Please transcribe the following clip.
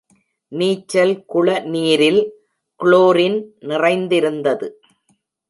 நீச்சல் குள நீரில் குளோரின் நிறைந்திருந்தது.